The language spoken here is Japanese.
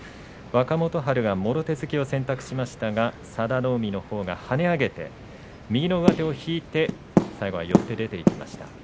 若元春は、もろ手突きを選択しましたけども佐田の海のほうがはね上げて右の上手を引いて最後は寄って出ていきました。